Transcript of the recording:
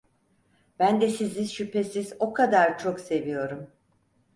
Ben de sizi şüphesiz o kadar çok seviyorum…